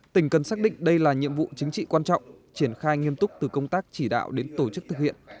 tỉnh cần xác định đây là nhiệm vụ chính trị quan trọng triển khai nghiêm túc từ công tác chỉ đạo đến tổ chức thực hiện